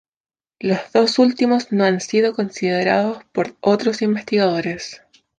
Los dos últimos no han sido considerados por otros investigadores.